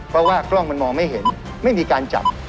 เพราะว่ากล้องมันมองไม่เห็นไม่มีการจับ